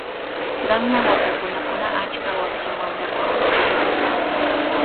Qanyan watakunakuna achka wakcha wamrakunami yurirqan.